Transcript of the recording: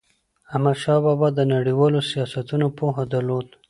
احمدشاه بابا د نړیوالو سیاستونو پوهه درلوده.